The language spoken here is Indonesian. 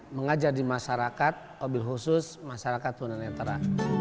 mengajar di masyarakat obil khusus masyarakat tunanetra